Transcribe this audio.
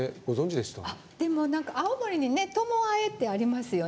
でも、青森にともあえってありますよね。